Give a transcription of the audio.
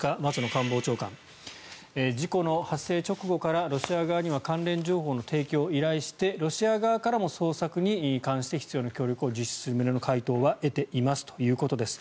官房長官事故の発生直後からロシア側には関連情報の提供を依頼してロシア側からも捜索に関して必要な協力を実施する旨の回答は得ていますということです。